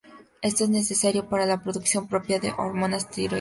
Esto es necesario para la producción propia de hormonas tiroideas.